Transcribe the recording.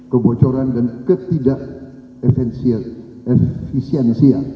kebocoran dan ketidak efisiensi